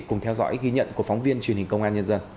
cùng theo dõi ghi nhận của phóng viên truyền hình công an nhân dân